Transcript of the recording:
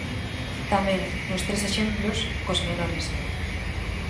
Tamén, nos tres exemplos, cos menores.